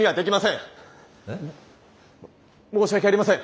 申し訳ありません。